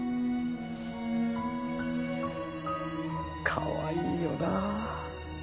かわいいよな。